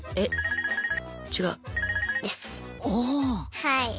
はい。